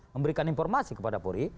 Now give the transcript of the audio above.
memberikan informasi kepada poli